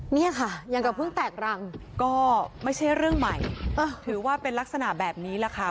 เนี่ยค่ะอย่างกับเพิ่งแตกรังก็ไม่ใช่เรื่องใหม่ถือว่าเป็นลักษณะแบบนี้แหละค่ะ